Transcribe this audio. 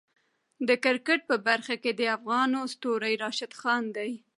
د کرکټ په برخه کې د افغانو ستوری راشد خان دی.